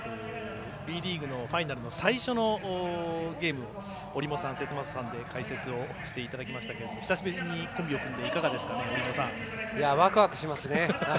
Ｂリーグのファイナルの最初のゲームを折茂さん、節政さんで解説をしていただきましたけど久しぶりにコンビを組んでいかがですか？